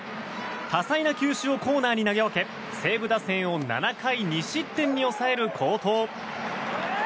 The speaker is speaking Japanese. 多彩な球種をコーナーに投げ分け西武打線を７回２失点に抑える好投。